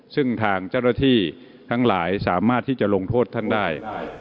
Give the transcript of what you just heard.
ซึ่งทางเจ้าหน้าที่ทั้งหลายสามารถที่จะลงโทษท่านได้